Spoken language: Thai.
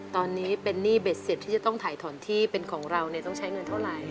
ตอนนี้เป็นหนี้เบ็ดเสร็จที่จะต้องถ่ายถอนที่เป็นของเราต้องใช้เงินเท่าไหร่